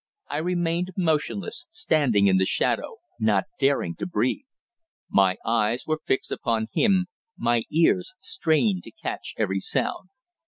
I remained motionless, standing in the shadow, not daring to breathe. My eyes were fixed upon him, my ears strained to catch every sound.